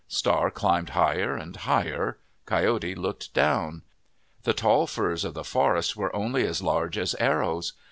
Star climbed higher and higher. Coyote looked down. The tall firs of the forest were only as large as arrows.